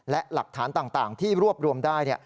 และหลักฐานต่างที่รวบรวมได้